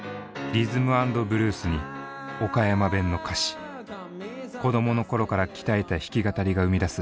リズム＆ブルースに岡山弁の歌詞子供の頃から鍛えた弾き語りが生み出す